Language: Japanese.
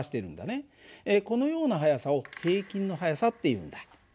このような速さを平均の速さっていうんだ。